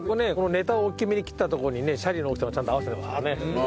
ネタを大きめに切ったところにねシャリの大きさをちゃんと合わせてますからね。